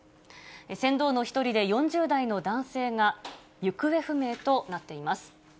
船頭の１人で４０代の男性が行方不明となっています。